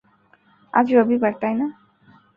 আজ রবিবার, তাইনা?